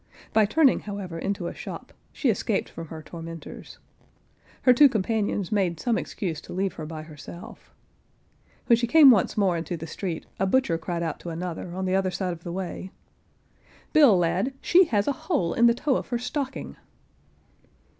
By turning, however, into a shop, she escaped from her tormenters. Her two companions made some excuse to leave her by herself. When she came once more into the street a butcher cried out to another,[Pg 53] on the other side of the way, "Bill, lad, she has a hole in the toe of her stocking."